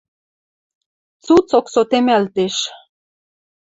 Цуцок сотемӓлтеш —